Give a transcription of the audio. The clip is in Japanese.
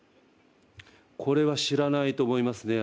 これは知らないと思いますね。